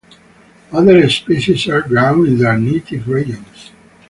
Other species are grown in their native regions.